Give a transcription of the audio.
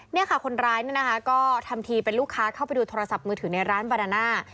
นี่ค่ะคนร้ายเนี่ยนะคะก็ทำทีเป็นลูกค้าเข้าไปดูโทรศัพท์มือถือในร้านบาดาน่า